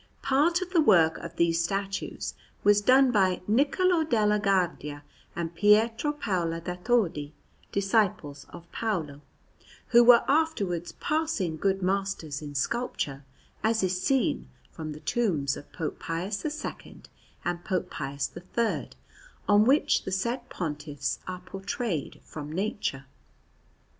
Part of the work of these statues was done by Niccolò della Guardia and Pietro Paolo da Todi, disciples of Paolo, who were afterwards passing good masters in sculpture, as is seen from the tombs of Pope Pius II and Pope Pius III, on which the said Pontiffs are portrayed from nature.